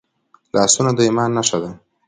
لاسونه د ایمان نښه ده